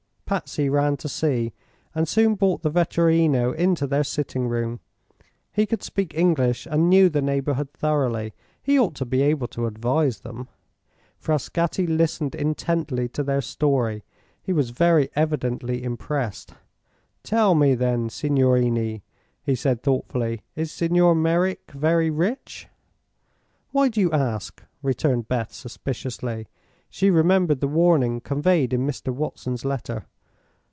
Patsy ran to see, and soon brought the vetturino into their sitting room. He could speak English and knew the neighborhood thoroughly. He ought to be able to advise them. Frascatti listened intently to their story. He was very evidently impressed. "Tell me, then, signorini," he said, thoughtfully; "is Senor Merreek very rich?" "Why do you ask?" returned Beth, suspiciously. She remembered the warning conveyed in Mr. Watson's letter.